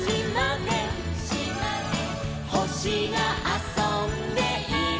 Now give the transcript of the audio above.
「ほしがあそんでいるのかな」